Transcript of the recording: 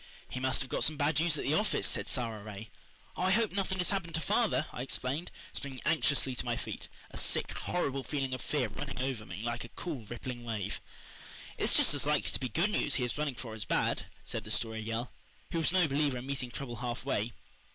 "He must have got some bad news at the office," said Sara Ray. "Oh, I hope nothing has happened to father," I exclaimed, springing anxiously to my feet, a sick, horrible feeling of fear running over me like a cool, rippling wave. "It's just as likely to be good news he is running for as bad," said the Story Girl, who was no believer in meeting trouble half way.